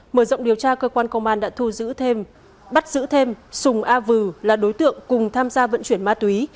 mở rộng điều tra cơ quan công an đã thu giữ thêm bắt giữ thêm sùng a vừ là đối tượng cùng tham gia vận chuyển ma túy